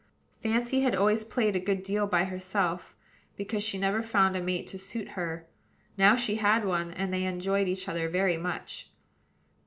Fancy had always played a good deal by herself, because she never found a mate to suit her; now she had one, and they enjoyed each other very much.